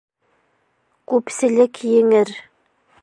Күпселек еңер.